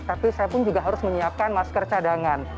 tapi saya pun juga harus menyiapkan masker cadangan